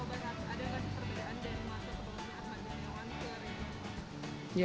dari masa sebelumnya